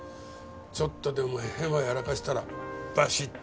ちょっとでもヘマやらかしたらバシッ！